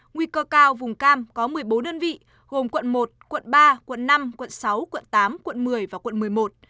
nguy cơ cao vùng cam có một mươi bốn đơn vị gồm quận một quận ba quận năm quận sáu quận tám quận một mươi và quận một mươi một